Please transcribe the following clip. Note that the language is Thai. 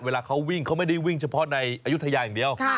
เวลาเขาวิ่งเขาไม่ได้วิ่งเฉพาะในอายุทยาอย่างเดียว